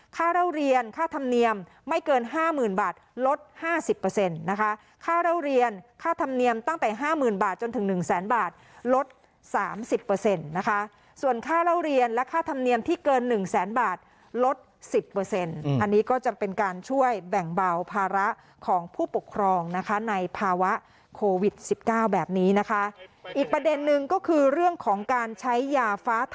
ค่าเล่าเรียนค่าธรรมเนียมไม่เกินห้าหมื่นบาทลดห้าสิบเปอร์เซ็นต์ค่าเล่าเรียนค่าธรรมเนียมตั้งแต่ห้าหมื่นบาทจนถึงหนึ่งแสนบาทลดสามสิบเปอร์เซ็นต์ส่วนค่าเล่าเรียนและค่าธรรมเนียมที่เกินหนึ่งแสนบาทลดสิบเปอร์เซ็นต์อันนี้ก็จะเป็นการช่วยแบ่งเบาภาระของผู้ปกครองในภ